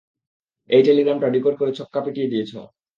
এই টেলিগ্রামটা ডিকোড করে ছক্কা পিটিয়ে দিয়েছ!